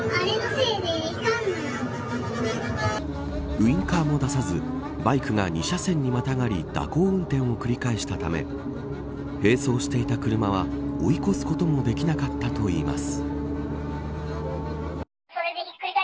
ウインカーも出さずバイクが２車線にまたがり蛇行運転を繰り返したため並走していた車は追い越すこともできなかったといいます。